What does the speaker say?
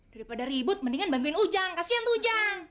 daripada ribut mendingan bantuin ujang kasihan tuh ujang